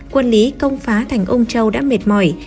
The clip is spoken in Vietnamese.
quân lý công phá thành ông châu đã mệt mỏi